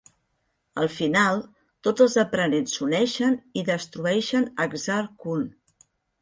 Al final, tots els aprenents s'uneixen i destrueixen Exar Kun.